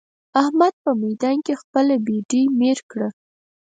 احمد په ميدان کې خپله بېډۍ مير کړه.